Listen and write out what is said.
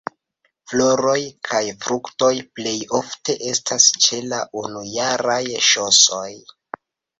Floroj kaj fruktoj plej ofte estas ĉe la unujaraj ŝosoj.